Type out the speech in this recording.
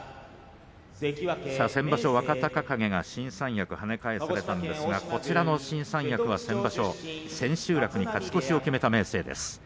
先場所、若隆景が新三役はね返されたんですが、こちらの新三役は先場所千秋楽に勝ち越しを決めた明生です。